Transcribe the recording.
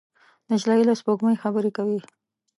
نجلۍ له سپوږمۍ خبرې کوي.